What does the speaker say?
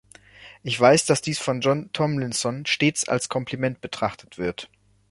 Ich weiß, dass dies von John Tomlinson stets als Kompliment betrachtet wird.